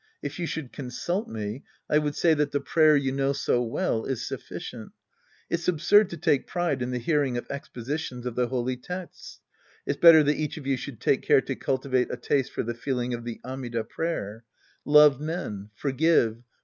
If you should consult me, I would say that the prayer you know so well is sufficient. It's absurd to take pride in the hearing of expositions of the holy texts. It's better that each of you should take care to culti" vate a taste for the feeling of the Amida prayer. Love m^en. Forgive.